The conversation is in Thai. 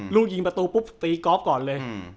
ลูกยิงประตูปุ๊บตีกอล์ฟก่อนเลย